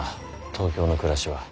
東京の暮らしは。